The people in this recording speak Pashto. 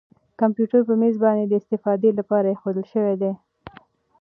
کمپیوټر په مېز باندې د استفادې لپاره اېښودل شوی دی.